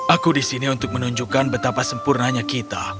aku disini untuk menunjukkan betapa sempurnanya kita